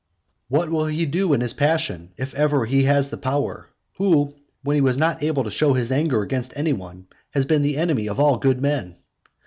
XII. What will he do in his passion, if ever he has the power, who, when he is not able to show his anger against any one, has been the enemy of all good men?